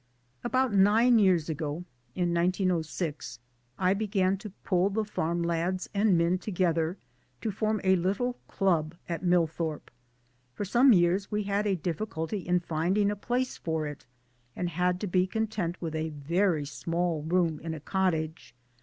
About nine years ago in 1906 I began to pull the farm lads and men together to form! a little Club at Millthorpe. For some years we had a diffi culty in finding a place for it, and had to be content with a very small room in a cottage.